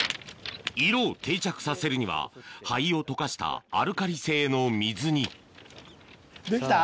色を定着させるには灰を溶かしたアルカリ性の水にできた？